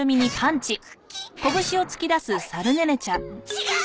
違う！